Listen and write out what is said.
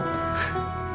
tanpa biaya dari bapaknya